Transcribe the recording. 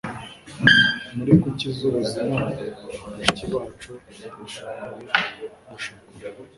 muri kuki z'ubuzima, bashiki bacu ni shokora ya shokora